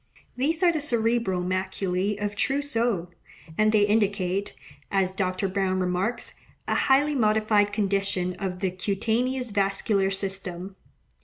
These are the cerebral maculae of Trousseau; and they indicate, as Dr. Browne remarks, a highly modified condition of the cutaneous vascular system.